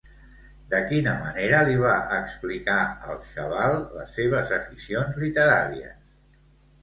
De quina manera li va explicar el xaval les seves aficions literàries?